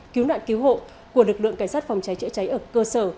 cứu nạn cứu hộ của lực lượng cảnh sát phòng cháy chữa cháy ở cơ sở